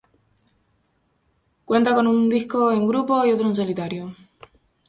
Cuenta con un disco en grupo y otro en solitario.